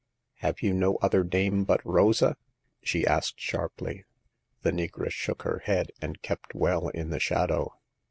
" Have you no other name but Rosa ?" she asked, sharply. The negress shook her head, and kept well in the shadow.